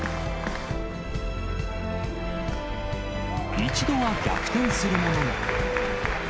一度は逆転するものの。